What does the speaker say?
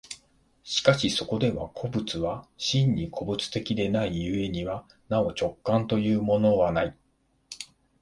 しかしそこでは個物は真に個物的ではない故になお直観というものはない。